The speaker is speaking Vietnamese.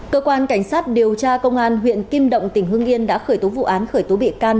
cơ quan cảnh sát điều tra công an huyện kim động tỉnh hưng yên đã khởi tố vụ án khởi tố bị can